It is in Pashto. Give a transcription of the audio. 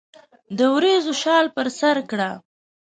د وریځو شال پر سرکړه